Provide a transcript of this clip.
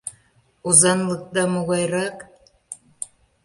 — Озанлыкда могайрак?